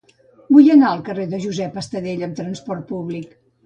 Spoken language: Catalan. Vull anar al carrer de Josep Estalella amb trasport públic.